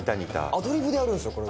アドリブでやるんすよ